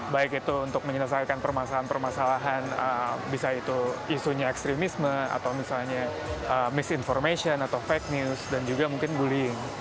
baik itu untuk menyelesaikan permasalahan permasalahan bisa itu isunya ekstremisme atau misalnya misinformation atau fake news dan juga mungkin bullying